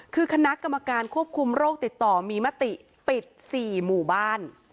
คือคณะกรรมการควบคุมโรคติดต่อมีมติปิด๔หมู่บ้าน